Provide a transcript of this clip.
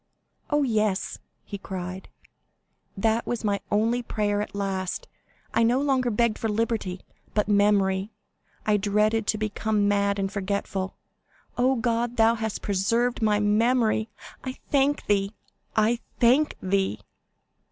_'" "Oh, yes," he cried, "that was my only prayer at last; I no longer begged for liberty, but memory; I dreaded to become mad and forgetful. Oh, God, thou hast preserved my memory; I thank thee, I thank thee!"